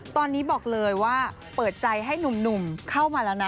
ตอนนี้บอกเลยว่าเปิดใจให้หนุ่มเข้ามาแล้วนะ